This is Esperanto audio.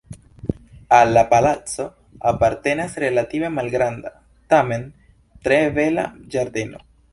Al la palaco apartenas relative malgranda, tamen tre bela ĝardeno.